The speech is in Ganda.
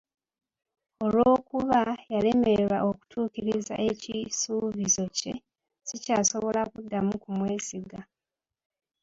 Olw'okuba yalemererwa okutuukiriza ekisuubizo kye, sikyasobola kuddamu kumwesiga.